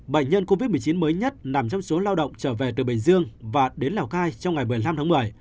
bệnh nhân covid một mươi chín mới nhất nằm trong số lao động trở về từ bình dương và đến lào cai trong ngày một mươi năm tháng một mươi